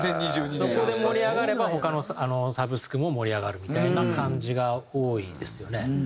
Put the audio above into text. そこで盛り上がれば他のサブスクも盛り上がるみたいな感じが多いですよね。